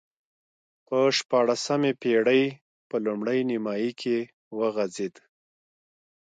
په شپاړسمې پېړۍ په لومړۍ نییمایي کې وغځېد.